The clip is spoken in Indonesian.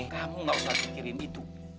kamu gak usah dikirim itu